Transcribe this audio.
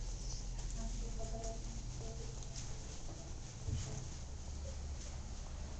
মানুষের যত রকম কুপ্রবৃত্তি আছে, এই গোঁড়ামি তাহাদের সবগুলিকে উদ্বুদ্ধ করে।